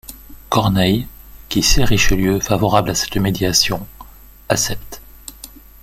Corneille, qui sait Richelieu favorable à cette médiation, accepte.